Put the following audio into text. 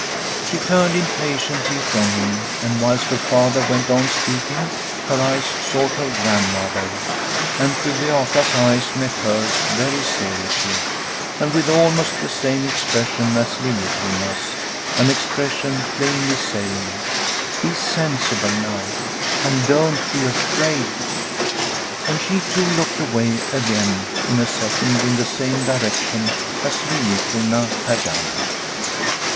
She turned impatiently from him, and whilst her father went on speaking, her eyes sought her grandmother. And Fru Beata's eyes met hers very seriously, and with almost the same expression as Liliecrona's, an expression plainly saying, " Be sensible now and don't be afraid," and she too looked away again in a second in the same direction as Lliecrona had done.